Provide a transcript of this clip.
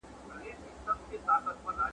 او نور به پرته له ګدايۍ کولو ..